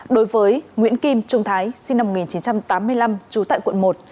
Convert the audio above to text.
đối với nguyễn kim trung thái sinh năm một nghìn chín trăm tám mươi năm trú tại quận một